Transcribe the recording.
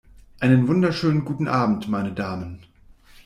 Einen wunderschönen guten Abend, meine Damen!